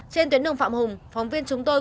trên tuyến đường phạm hùng phóng viên trung tâm